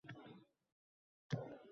To‘rtta kuylagi bor.